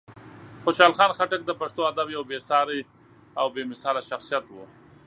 خوشحال خان خټک د پښتو ادب یو بېساری او بېمثاله شخصیت و.